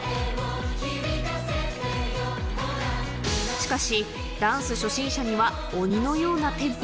しかし、ダンス初心者には鬼のようなテンポ。